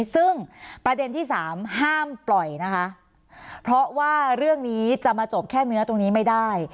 ซึ่งประเด็นที่สามห้ามปล่อยนะคะเพราะว่าเรื่องนี้จะมาจบแค่เนื้อตรงนี้ไม่ได้